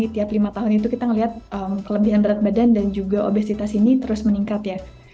tiap lima tahun itu kita melihat kelebihan berat badan dan juga obesitas ini terus meningkat ya